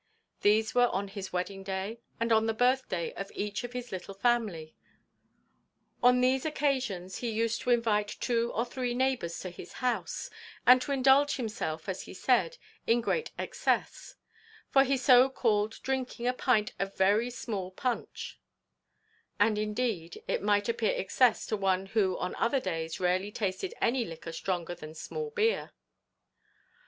These were on his wedding day, and on the birthday of each of his little family; on these occasions he used to invite two or three neighbours to his house, and to indulge himself, as he said, in great excess; for so he called drinking a pint of very small punch; and, indeed, it might appear excess to one who on other days rarely tasted any liquor stronger than small beer.